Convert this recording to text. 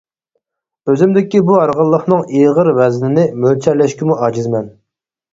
ئۆزۈمدىكى بۇ ھارغىنلىقنىڭ ئېغىر ۋەزنىنى مۆلچەرلەشكىمۇ ئاجىزمەن.